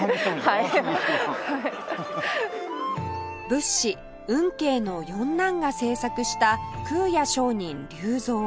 仏師運慶の四男が制作した空也上人立像